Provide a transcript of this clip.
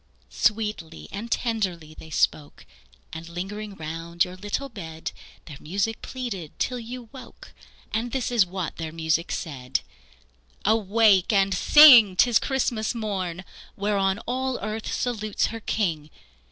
Sweetly and tenderly they spoke, And lingering round your little bed, Their music pleaded till you woke, And this is what their music said: "Awake and sing! 'tis Christmas morn, Whereon all earth salutes her King!